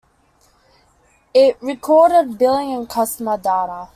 It recorded billing and customer data.